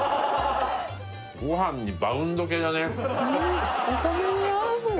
ご飯にバウンド系だねうん